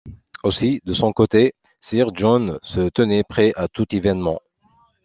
Aussi, de son côté, sir John se tenait prêt à tout événement.